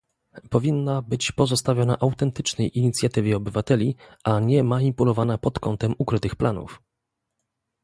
Powinna być pozostawiona autentycznej inicjatywie obywateli, a nie manipulowana pod kątem ukrytych planów